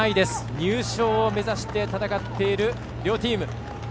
入賞を目指して戦っている両チーム。